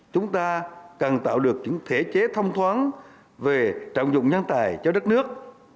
chúng ta cần tạo được những thể chế thông thoáng về trọng dụng nhân tài cho đất nước